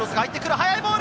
速いボール。